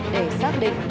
để xác định